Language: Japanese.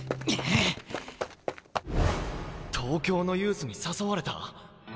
東京のユースに誘われた？